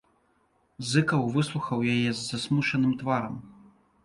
Зыкаў выслухаў яе з засмучаным тварам.